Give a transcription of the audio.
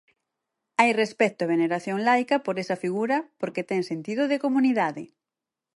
Hai respecto e veneración laica por esa figura porque ten sentido de comunidade.